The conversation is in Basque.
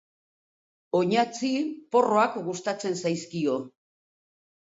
oinatzi porroak gustatzen zaizkio